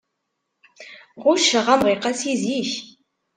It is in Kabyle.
Ɣucceɣ amḍiq-a si zik.